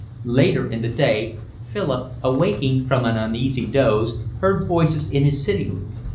Later in the day Philip, awaking from an uneasy doze, heard voices in his sitting room.